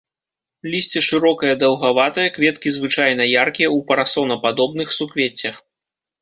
Лісце шырокае даўгаватае, кветкі звычайна яркія, у парасонападобных суквеццях.